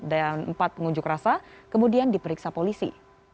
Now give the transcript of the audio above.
dan empat pengunjuk rasa kemudian diperiksa polisi